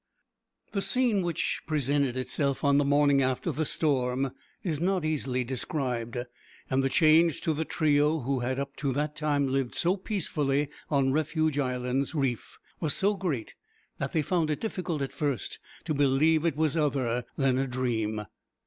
The scene which presented itself on the morning after the storm is not easily described, and the change to the trio who had up to that time lived so peacefully on Refuge Islands' Reef was so great that they found it difficult at first to believe it was other than a dream.